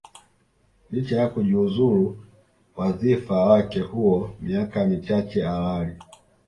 licha ya kujiuzulu wadhifa wake huo miaka michache awali